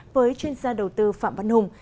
với chuyên gia đầu tư phạm văn hùng